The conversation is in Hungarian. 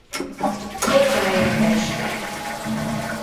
Pofája keskeny.